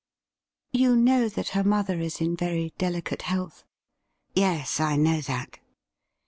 You know that her mother is in very delicate health ?'' Yes, I know that.'